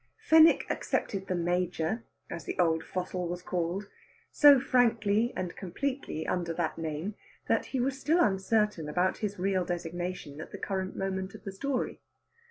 Fenwick accepted "the Major," as the old fossil was called, so frankly and completely under that name that he was still uncertain about his real designation at the current moment of the story.